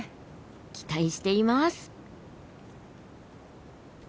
期待しています！